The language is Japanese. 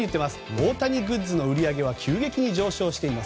大谷グッズの売り上げは急激に上昇しています。